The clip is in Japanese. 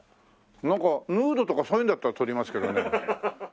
なんかヌードとかそういうのだったら撮りますけどね。